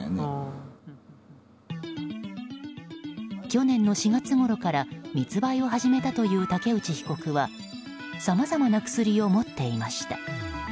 去年の４月ごろから密売を始めたという竹内被告はさまざまな薬を持っていました。